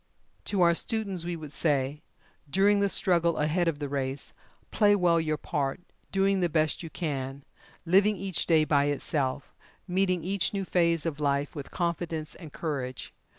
To our students, we would say: During the struggle ahead of the race, play well your part, doing the best you can, living each day by itself, meeting each new phase of life with confidence and courage.